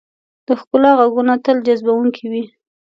د ښکلا ږغونه تل جذبونکي وي.